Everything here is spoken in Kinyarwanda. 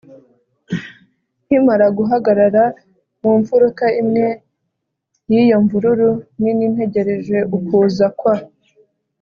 nkimara guhagarara mu mfuruka imwe y'iyo mvururu nini ntegereje ukuza kwa